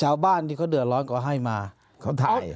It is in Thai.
ชาวบ้านที่เขาเดือดร้อนก็ให้มาเขาถ่าย